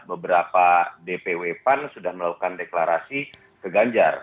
beberapa dpw pan sudah melakukan deklarasi ke ganjar